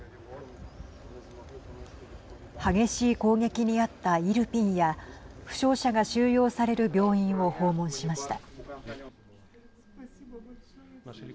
激しい攻撃に遭ったイルピンや負傷者が収容される病院を訪問しました。